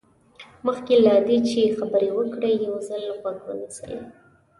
مخکې له دې چې خبرې وکړئ یو ځل غوږ ونیسئ.